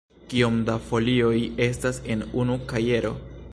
Kiom da folioj estas en unu kajero?